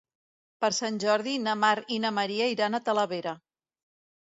Per Sant Jordi na Mar i na Maria iran a Talavera.